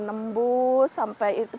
menembus sampai itu